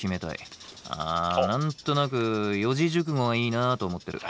あ何となく四字熟語がいいなあと思ってる。